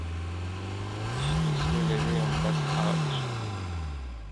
چي پیسې لري بس هغه دي ښاغلي,